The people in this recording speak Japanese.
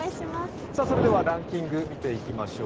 それではランキング、見ていきましょう。